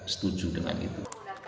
setuju dengan itu